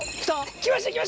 きました